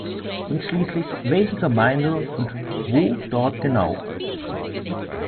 Und schließlich welche Gemeinde und wo dort genau?